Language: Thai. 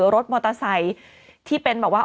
รถมอเตอร์ไซค์ที่เป็นแบบว่า